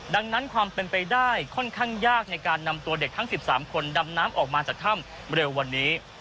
ดังนั้นความเป็นไปได้ค่อนข้างยากในการนำตัวเด็กทั้ง๑๓คนดำน้ำออกมาจากถ้ำเร็ววันนี้